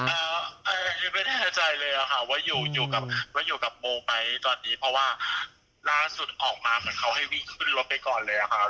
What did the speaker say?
ไม่แน่ใจเลยค่ะว่าอยู่กับโมไปตอนนี้เพราะว่าล่าสุดออกมาเหมือนเขาให้วี่ขึ้นรถไปก่อนเลยค่ะ